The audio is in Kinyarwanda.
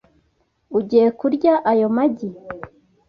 Ugiye kurya ayo magi?